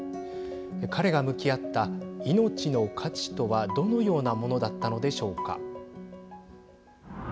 彼が向き合った命の価値とはどのようなものだったのでしょうか。